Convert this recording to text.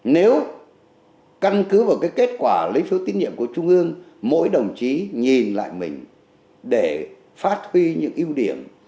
nếu căn cứ vào cái kết quả lấy số tín nhiệm của trung ương mỗi đồng chí nhìn lại mình để phát huy những ưu điểm